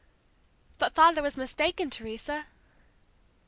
'" "But father was mistaken, Teresa!"